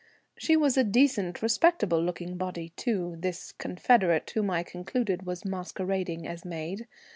She was a decent, respectable looking body too, this confederate whom I concluded was masquerading as maid.